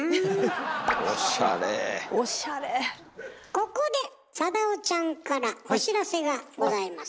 ここでサダヲちゃんからお知らせがございます。